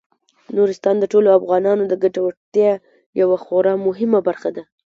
نورستان د ټولو افغانانو د ګټورتیا یوه خورا مهمه برخه ده.